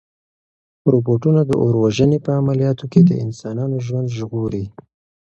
روبوټونه د اور وژنې په عملیاتو کې د انسانانو ژوند ژغوري.